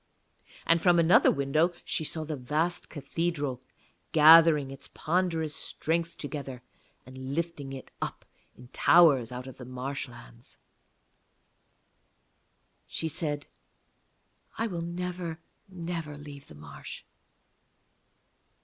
And from another window she saw the vast cathedral gathering its ponderous strength together, and lifting it up in towers out of the marshlands. She said, 'I will never, never leave the marsh.'